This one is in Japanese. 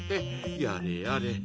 やれやれ。